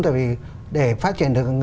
tại vì để phát triển được